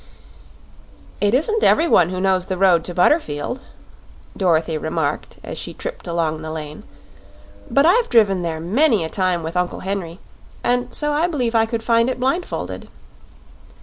"It isn't everyone who knows the road to Butterfield," Dorothy remarked as she tripped along the lane; "but I've driven there many a time with Uncle Henry, and so I b'lieve I could find it blindfolded."